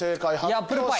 アップルパイ！